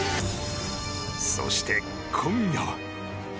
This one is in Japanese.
そして今夜は。